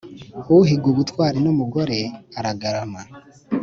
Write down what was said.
Uhiga ubutwari n’umugore aragarama.